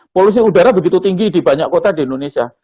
polusi udara begitu tinggi di banyak kota di indonesia